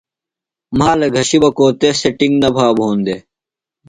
مھالہ گھشیۡ بیۡ کو تس تھےۡ ٹِنگ نہ بھا بھون دےۡ۔